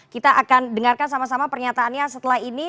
kita akan dengarkan sama sama pernyataannya setelah ini